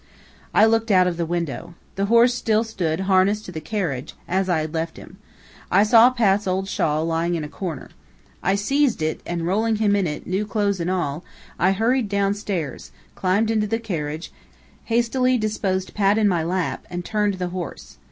I looked out of the window. The horse still stood harnessed to the carriage, as I had left him. I saw Pat's old shawl lying in a corner. I seized it, and rolling him in it, new clothes and all, I hurried down stairs, climbed into the carriage, hastily disposed Pat in my lap, and turned the horse.